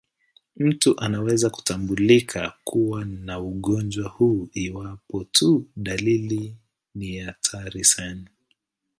Mtu anaweza kutambulika kuwa na ugonjwa huu iwapo tu dalili ni hatari sana.